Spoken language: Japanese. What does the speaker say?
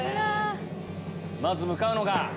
まず向かうのが。